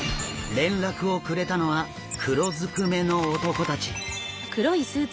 連絡をくれたのは黒ずくめの男たち。